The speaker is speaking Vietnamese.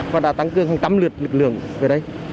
và đã tăng cương hàng tăm lượt lực lượng về đây